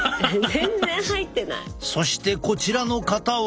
そしてこちらの方は。